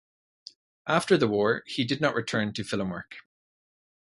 After the war, he did not return to film work.